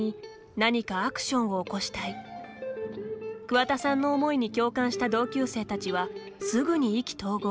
桑田さんの思いに共感した同級生たちはすぐに意気投合。